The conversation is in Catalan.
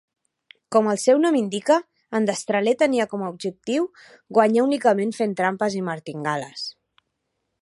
Com el seu nom indica, en Destraler tenia com a objectiu guanyar únicament fent trampes i martingales.